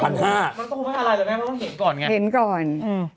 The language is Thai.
มันต้องเคยปฐัยอะไรอีกไหมมันต้องเห็นก่อนไง